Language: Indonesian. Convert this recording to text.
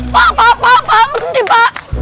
pak berhenti pak